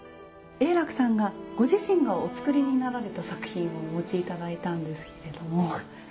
永樂さんがご自身がお作りになられた作品をお持ち頂いたんですけれども。